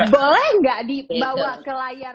boleh nggak dibawa ke layar